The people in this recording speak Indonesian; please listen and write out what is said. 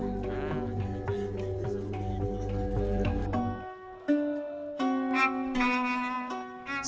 salah satu organisasi yang menaunginya